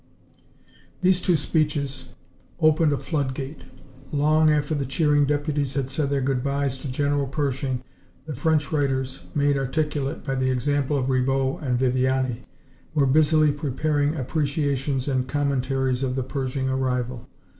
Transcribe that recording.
These two speeches opened a flood gate. Long after the cheering deputies had said their good bys to General Pershing, the French writers, made articulate by the example of Ribot and Viviani, were busily preparing appreciations and commentaries of the Pershing arrival.